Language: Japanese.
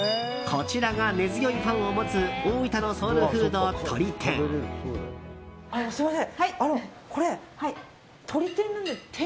こちらが根強いファンを持つ大分のソウルフード、とり天。